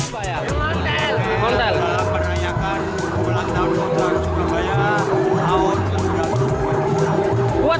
untuk perayaan perayaan bulan tahun bulan surabaya tahun tahun tahun tahun